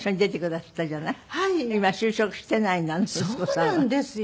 そうなんですよ。